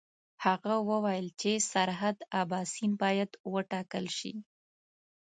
هغه وویل چې سرحد اباسین باید وټاکل شي.